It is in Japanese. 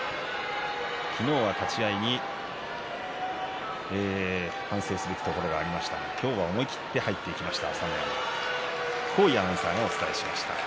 昨日は立ち合いに反省すべきところがありましたが今日は思い切って入っていきました朝乃山。